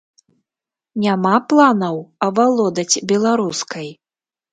Няма планаў авалодаць беларускай?